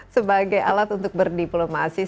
sebagai alat untuk berdiplomasi